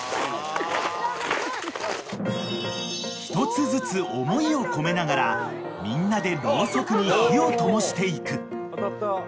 ［一つずつ思いを込めながらみんなでろうそくに火を灯していく］